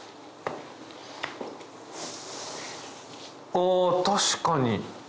あ確かに。